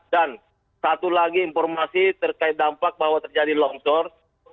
dan satu lagi informasi terkait dampak bahwa terjadi longsor